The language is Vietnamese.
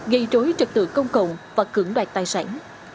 gây trối trực tự công cộng và cưỡng đoạt tài sản